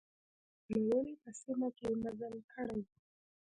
نوموړي په سیمه کې مزل کړی و.